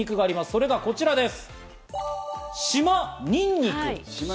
それがこちらです。